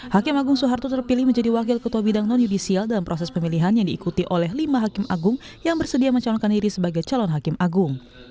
hakim agung soeharto terpilih menjadi wakil ketua bidang non yudisial dalam proses pemilihan yang diikuti oleh lima hakim agung yang bersedia mencalonkan diri sebagai calon hakim agung